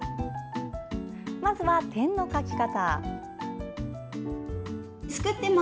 まずは、点の描き方。